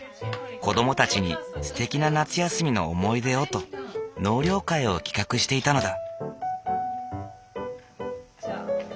子どもたちにすてきな夏休みの思い出をと納涼会を企画していたのだ。